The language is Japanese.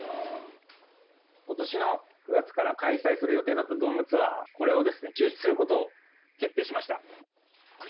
ことしの９月から開催する予定だったドームツアー、これを中止することを決定しました。